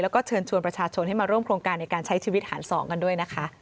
แล้วก็เชิญชวนประชาชนให้มาร่วมโครงการในการใช้ชีวิตหารสองกันด้วยนะคะ